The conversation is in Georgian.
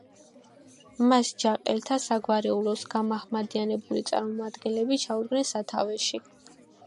მას ჯაყელთა საგვარეულოს გამაჰმადიანებული წარმომადგენლები ჩაუდგნენ სათავეში.